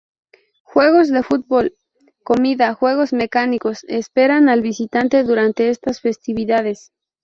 Juegos de fútbol, comida, juegos mecánicos esperan al visitante durante estas festividades.